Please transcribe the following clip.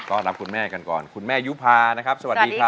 รับคุณแม่กันก่อนคุณแม่ยุภานะครับสวัสดีครับ